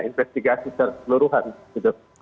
investigasi keseluruhan gitu